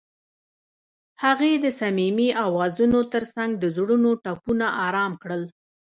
هغې د صمیمي اوازونو ترڅنګ د زړونو ټپونه آرام کړل.